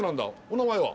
お名前は？